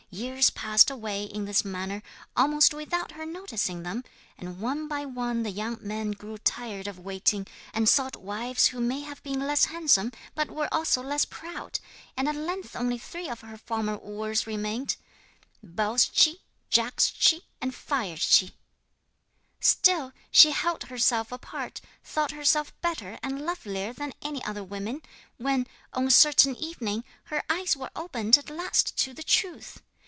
Years passed away in this manner, almost without her noticing them, and one by one the young men grew tired of waiting, and sought wives who may have been less handsome, but were also less proud, and at length only three of her former wooers remained Baldschi, Jagdschi, and Firedschi. Still she held herself apart, thought herself better and lovelier than other women, when, on a certain evening, her eyes were opened at last to the truth.